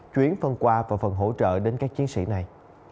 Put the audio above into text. chuyển phân qua và phần hỗ trợ đến các chiến sĩ này